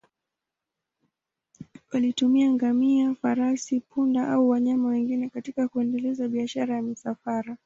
Walitumia ngamia, farasi, punda au wanyama wengine katika kuendeleza biashara ya misafara.